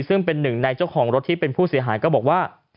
ซึ่งเป็นหนึ่งในเจ้าของรถที่เป็นผู้เสียหายก็บอกว่า